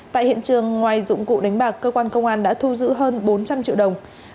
tại hiện trường ngoài dụng cụ đánh bạc cơ quan công an đã thu giữ hơn bốn trăm linh triệu đồng